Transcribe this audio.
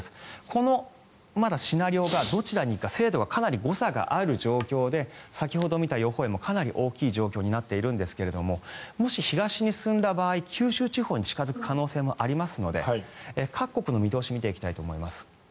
このまだシナリオがどちらに行くか精度はかなり誤差がある状況で先ほど見た予報円もかなり大きい状況になっているんですがもし、東に進んだ場合九州地方に近付く場合もありますので各国の見通しを見ていきたいと思います。